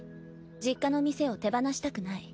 実家の店を手放したくない。